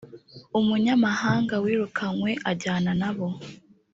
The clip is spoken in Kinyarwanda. umunyamahanga wirukanywe ajyana n abo